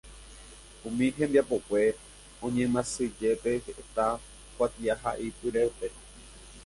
Umi hembiapokue oñemyasãijepe heta kuatiahaipyrépe.